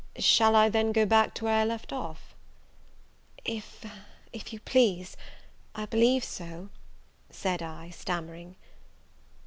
"Shall I, then, go back to where I left off?" "If if you please; I believe so, " said I, stammering.